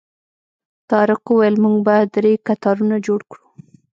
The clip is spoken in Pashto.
طارق وویل موږ به درې کتارونه جوړ کړو.